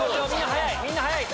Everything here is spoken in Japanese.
みんな早い！